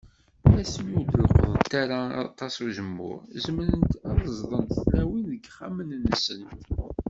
Asmi ur d-leqqḍen ara aṭas n uzemmur, zemrent ad t-zḍent tlawin deg yixxamen-nsent.